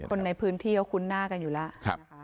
คนในพื้นที่เขาคุ้นหน้ากันอยู่แล้ว